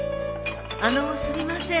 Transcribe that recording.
あのすみません。